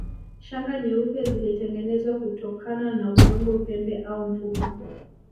Shanga nyeupe zilitengenezwa kutokana na udongo pembe au mfupa